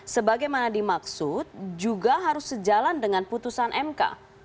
sebagaimana dimaksud juga harus sejalan dengan putusan mk